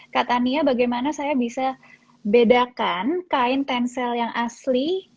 kak tania bagaimana saya bisa bedakan kain tensel yang asli